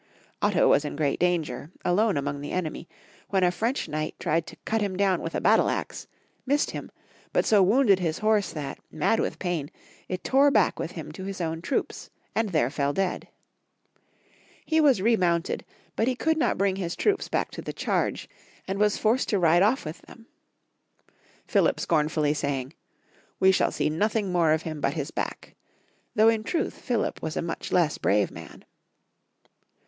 Otto was in great danger, alone among the enemy, when a French knight tried to cut him down with a battle axe, missed him, but so wounded his horse that, mad with pain, it tore back with him to his own troops, and there fell dead. He was remounted, but he could not bring his 162 Young Folks^ History of Qermany. • troops back to the change, and was forced to ride off with them, Philip scornfully sajdng —" We shall see nothing more of him but his back," though in truth Philip was a much less brave man.